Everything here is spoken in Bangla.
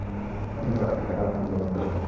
ধন্যবাদ আপনি কি তাকে আলাস্কান ক্রুজের গল্পটা বলেছেন?